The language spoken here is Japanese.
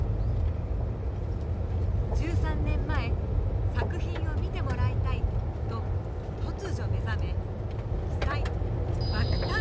１３年前「作品を見てもらいたい」と突如目覚め鬼才爆誕！